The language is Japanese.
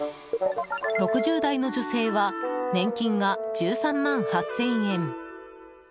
６０代の女性は年金が１３万８０００円。